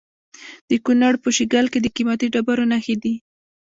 د کونړ په شیګل کې د قیمتي ډبرو نښې دي.